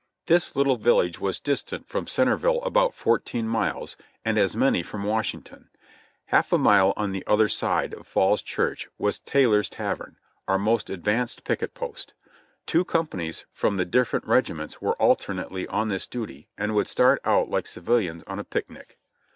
This little village was distant from Centerville about fourteen miles, and as many from Washington. Half a mile on the other side of Falls Church was Taylor's tavern, our most advanced picket post. Two companies from the different regiments were alternately on this duty, and would start out like civilians on a picnic.